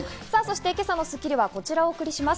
今朝の『スッキリ』はこちらをお送りします。